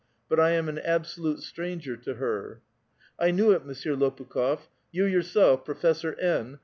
But I am an absolute stranger to her." '' I knew it, Monsieur Lopukh6f. You yourself, Professor N."